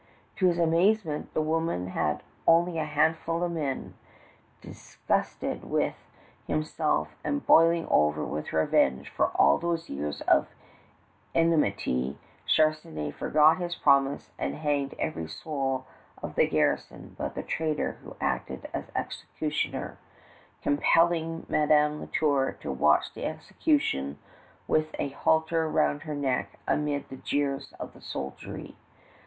To his amazement the woman had only a handful of men. Disgusted with himself and boiling over with revenge for all these years of enmity, Charnisay forgot his promise and hanged every soul of the garrison but the traitor who acted as executioner, compelling Madame La Tour to watch the execution with a halter round her neck amid the jeers of the soldiery.